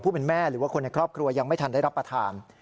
แม่หรือว่าคนในครอบครัวยังไม่ทันได้รับประทาน